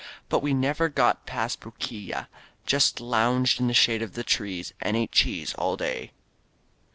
But we never got past Bruquilla — ^just lounged in the shade of the trees and ate cheese all day.